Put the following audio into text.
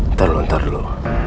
ntar lu ntar lu